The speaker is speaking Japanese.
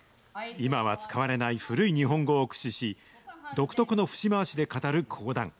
今は使われない古い日本語を駆使し、独特の節回しで語る講談。